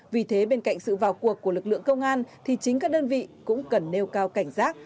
vì thế bên cạnh sự vào cuộc của lực lượng công an thì chính các đơn vị cũng cần nêu cao cảnh giác